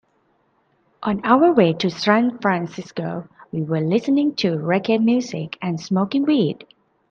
On our way to San Francisco, we were listening to reggae music and smoking weed.